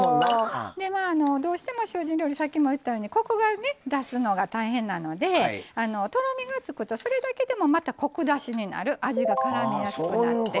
どうしても精進料理さっきも言ったようにコクが出すのが大変なのでとろみがつくと、それだけでもコクだしになる味がからみやすくなる。